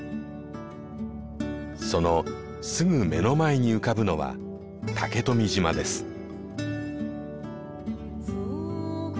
そのすぐ目の前に浮かぶのは竹富島です。